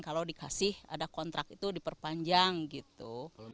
kalau dikasih ada kontrak itu diperpanjang gitu